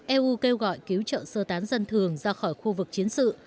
eu kêu gọi cứu trợ sơ tán dân thường ra khỏi khu vực chiến sự